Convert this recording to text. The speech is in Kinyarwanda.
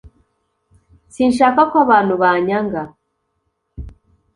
Sinshaka ko abantu banyanga